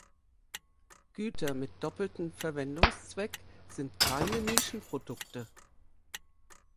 Güter mit doppeltem Verwendungszweck sind keine Nischenprodukte.